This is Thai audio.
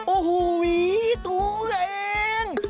โอ้โหตูกะเอง